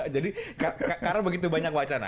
jadi karena begitu banyak wacana